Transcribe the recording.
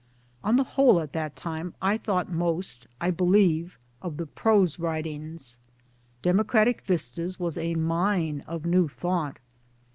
On the whole at that time I thought most, I believe, of the prose writings. Democratic Vistas was a mine of new thought.